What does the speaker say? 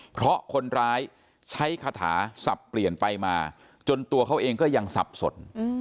เพราะคนร้ายใช้คาถาสับเปลี่ยนไปมาจนตัวเขาเองก็ยังสับสน